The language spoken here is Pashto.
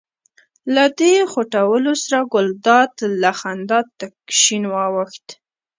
له دې خوټولو سره ګلداد له خندا تک شین واوښت.